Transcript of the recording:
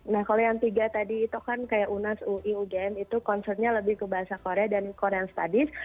nah kalau yang tiga tadi itu kan kayak unas ui ugm itu concernnya lebih ke bahasa korea dan korean studies